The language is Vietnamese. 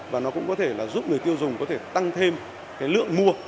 và nó cũng có thể giúp người tiêu dùng có thể tăng thêm lượng mua